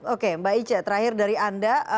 oke mbak ica terakhir dari anda